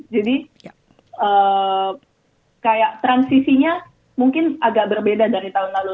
jadi kayak transisinya mungkin agak berbeda dari tahun lalu